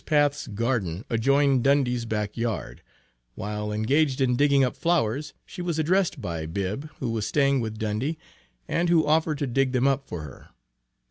Path's garden adjoined Dundy's back yard. While engaged in digging up flowers, she was addressed by Bibb, who was staying with Dundy, and who offered to dig them up for her.